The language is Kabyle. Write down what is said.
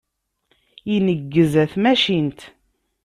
Ineggez ɣer tmacint.